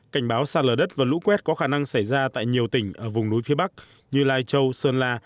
cảnh báo sạt lở đất và lũ quét có khả năng xảy ra tại nhiều tỉnh ở vùng núi phía bắc như lai châu sơn la